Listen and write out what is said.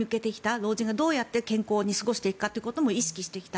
老人がどうやって健康に過ごしていくかということも意識してきた。